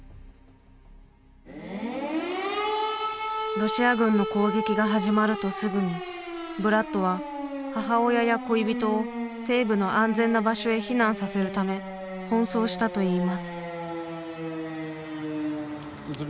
ロシア軍の攻撃が始まるとすぐにブラッドは母親や恋人を西部の安全な場所へ避難させるため奔走したといいます。